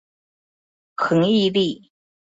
恆毅力